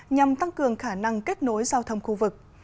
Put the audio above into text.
nhằm tăng cường khả năng kết nối giao thông khu vực